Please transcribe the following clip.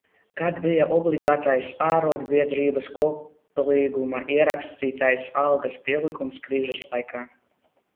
Kad bija obligātais, arodbiedrības koplīgumā ierakstītais, algas pielikums, krīzes laikā.